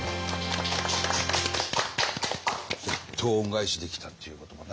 やっと恩返しできたっていうこともね。